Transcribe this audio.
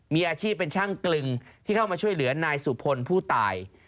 มีอาชีพเป็นช่างกลึงที่เข้ามาช่วยเหลือนายสุพลผู้ตาย